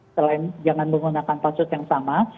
selain jangan menggunakan password yang sama